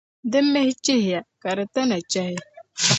di mihi chihiya, ka di tana chahi.